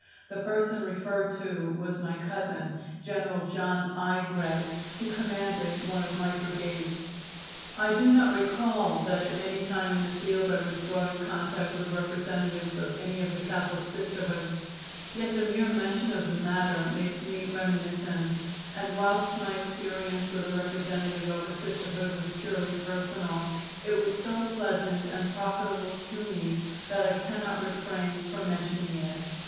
The person referred to was my cousin, General John I. Gregg, who commanded one of my brigades. "I do not recall that at any time in the field I was brought in contact with representatives of any of the Catholic Sisterhoods, yet the mere mention of the matter makes me reminiscent, and whilst my experience with a representative of a Sisterhood was purely personal, it was so pleasant and profitable to me that I cannot refrain from mentioning it.